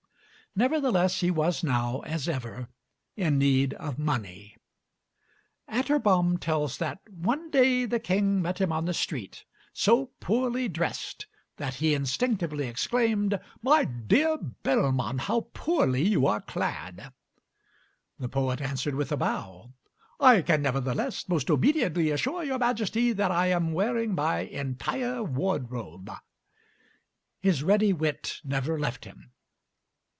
Nevertheless he was now, as ever, in need of money. Atterbom tells that "One day the King met him on the street, so poorly dressed that he instinctively exclaimed, 'My dear Bellman, how poorly you are clad!' The poet answered with a bow, 'I can nevertheless most obediently assure your Majesty that I am wearing my entire wardrobe.'" His ready wit never left him.